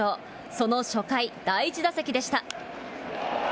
その初回、第１打席でした。